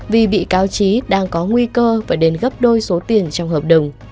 vì vị cao trí đang có nguy cơ phải đến gấp đôi số tiền trong hợp đồng